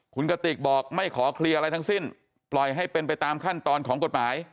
คุณกติกบอกไม่ขอเคลียร์อะไรทั้งสิ้นปล่อยให้เป็นไปตามขั้นตอนของกฎหมาย